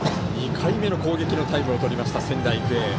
２回目の攻撃のタイムをとりました仙台育英。